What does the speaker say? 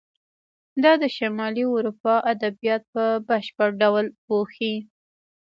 دا د شمالي اروپا ادبیات په بشپړ ډول پوښي.